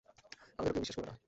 আমাদেরও কেউ বিশ্বাস করবে না।